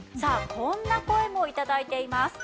こんな声も頂いています。